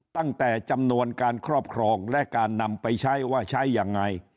ตั้งแต่จำนวนการครอบครองและการนำไปใช้ว่าใช้ยังไง